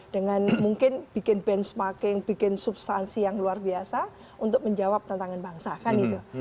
dengan mungkin bikin benchmarking bikin substansi yang luar biasa untuk menjawab tantangan bangsa kan itu